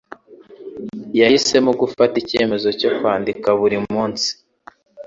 Yahisemo gufata icyemezo cyo kwandika buri munsi.